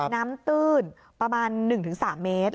ตื้นประมาณ๑๓เมตร